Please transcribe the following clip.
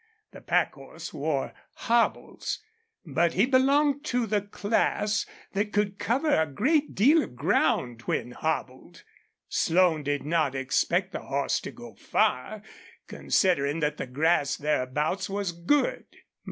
The pack horse wore hobbles, but he belonged to the class that could cover a great deal of ground when hobbled. Slone did not expect the horse to go far, considering that the grass thereabouts was good.